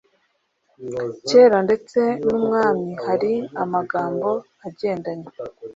kera ndetse n’umwami hari amagambo agendanye